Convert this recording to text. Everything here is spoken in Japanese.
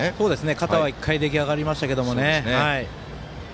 肩は１回出来上がりましたね。